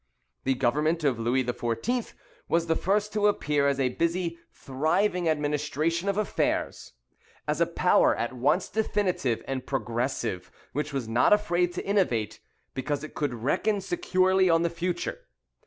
The government of Louis XIV. was the first to appear as a busy thriving administration of affairs, as a power at once definitive and progressive, which was not afraid to innovate, because it could reckon securely on the future.